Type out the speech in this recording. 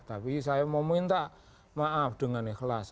tapi saya meminta maaf dengan ikhlas